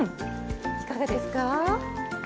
いかがですか？